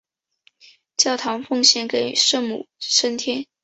教堂奉献给圣母升天。